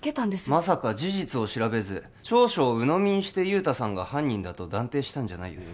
まさか事実を調べず調書をうのみにして雄太さんが犯人と断定したんじゃないよね？